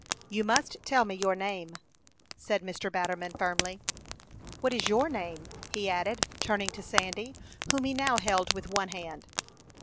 "You must tell me your name," said Mr. Batterman, firmly. "What is your name?" he added, turning to Sandy, whom he now held with one hand.